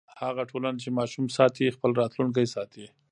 هغه ټولنه چې ماشوم ساتي، خپل راتلونکی ساتي.